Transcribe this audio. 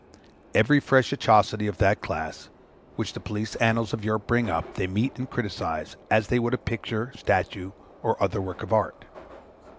Every fresh atrocity of that class, which the police annals of Europe bring up, they meet and criticise as they would a picture, statue, or other work of art.